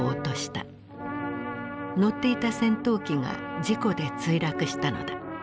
乗っていた戦闘機が事故で墜落したのだ。